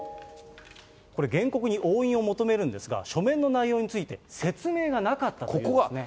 これ、原告に押印を求めるんですが、書面の内容について説明がなかったというんですね。